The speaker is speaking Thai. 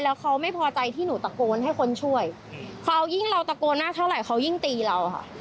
แล้วเขาไม่พอใจที่หนูตะโกนให้คนช่วยเขายิ่งเราตะโกนหน้าเท่าไหร่เขายิ่งตีเราค่ะ